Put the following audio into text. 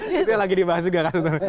itu yang lagi dibahas juga kan sebenarnya